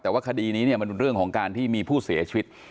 แต่ว่าคดีนี้เนี่ยมันเป็นเรื่องของการที่มีผู้เสียชีวิต